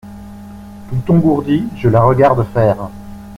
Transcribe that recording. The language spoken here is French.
Tout engourdie, je la regarde faire.